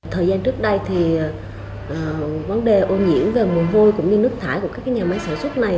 thời gian trước đây thì vấn đề ô nhiễm về mùi hôi cũng như nước thải của các nhà máy sản xuất này